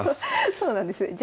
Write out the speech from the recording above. そうなんですね。